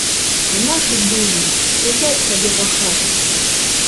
А нашы дурні сядзяць сабе па хатах.